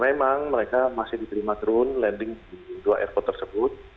memang mereka masih diterima drone landing di dua airport tersebut